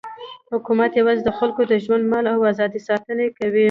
حکومت یوازې د خلکو د ژوند، مال او ازادۍ ساتنه کوي.